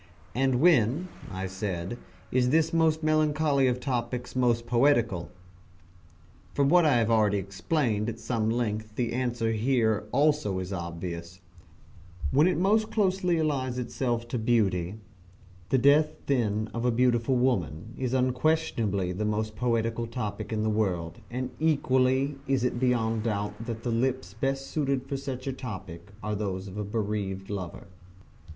"And when," I said, "is this most melancholy of topics most poetical?" From what I have already explained at some length the answer here also is obvious "When it most closely allies itself to Beauty: the death then of a beautiful woman is unquestionably the most poetical topic in the world, and equally is it beyond doubt that the lips best suited for such topic are those of a bereaved lover."